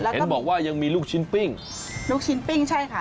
เห็นบอกว่ายังมีลูกชิ้นปิ้งลูกชิ้นปิ้งใช่ค่ะ